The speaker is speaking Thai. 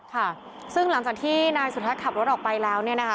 ค่ะซึ่งหลังจากที่นายสุทัศน์ขับรถออกไปแล้วเนี่ยนะคะ